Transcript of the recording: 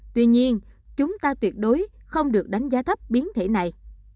tuy nhiên chúng ta tuyệt đối không được đánh giá thấp biến thể này